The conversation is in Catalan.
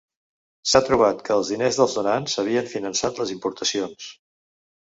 S'ha trobat que els diners dels donants havien finançat les importacions.